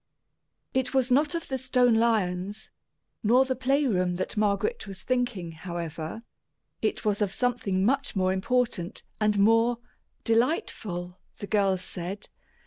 It was not of the stone lions, nor the play room that Margaret was thinking, however; it was of something much more important and more delightful, the girls said.